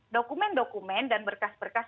dokumen dokumen dan berkas berkas